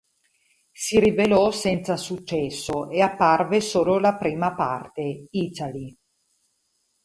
Si rivelò senza successo e apparve solo la prima parte, "Italy.